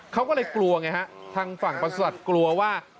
เขาก็เลยกลัวไงฮะทางฝั่งประสุทธิ์กลัวว่า